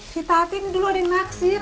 si tati ini dulu ada yang naksir